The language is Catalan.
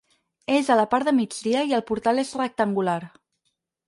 És a la part de migdia i el portal és rectangular.